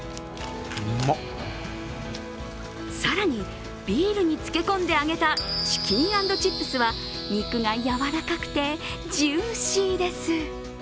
更に、ビールに漬け込んで揚げたチキン＆チップスは肉がやわらかくてジューシーです。